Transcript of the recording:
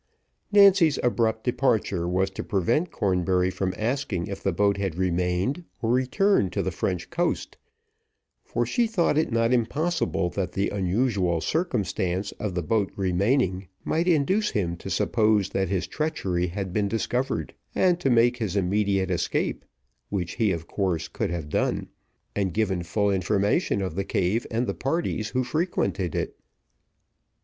Nancy's abrupt departure was to prevent Cornbury from asking if the boat had remained, or returned to the French coast; for she thought it not impossible that the unusual circumstance of the boat remaining, might induce him to suppose that his treachery had been discovered, and to make his immediate escape, which he, of course, could have done, and given full information of the cave and the parties who frequented it.